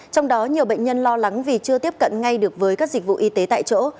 trong đó nhiều bệnh nhân lo lắng vì chưa tiếp cận ngay được với các dịch vụ y tế tại chỗ